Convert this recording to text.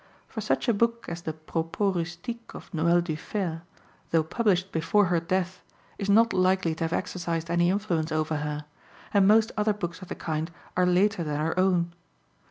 For such a book as the Propos Rustiques of Noël du Fail, though published before her death, is not likely to have exercised any influence over her; and most other books of the kind are later than her own.